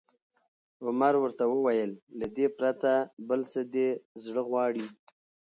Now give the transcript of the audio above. عمر ورته وویل: له دې پرته، بل څه دې زړه غواړي؟